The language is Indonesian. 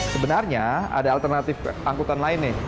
sebenarnya ada alternatif angkutan lain nih